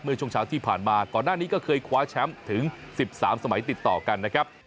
ช่วงเช้าที่ผ่านมาก่อนหน้านี้ก็เคยคว้าแชมป์ถึง๑๓สมัยติดต่อกันนะครับ